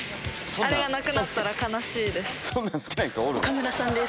あれがなくなったら悲しいです。